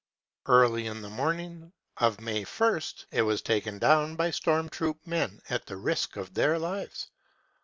Early in the morning of May 1 st it was taken down by storm troop men at the risk of their lives.